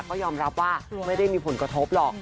ก็ยอมรับว่าไม่ได้มีผลกระทบหรอก